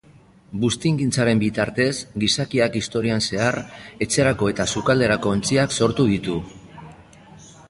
Buztingintzaren bitartez, gizakiak historian zehar etxerako eta sukalderako ontziak sortu ditu